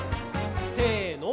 せの。